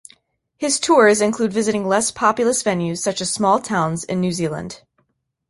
His tours include visiting less populous venues such as small towns in New Zealand.